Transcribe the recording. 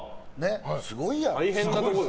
すごいやん。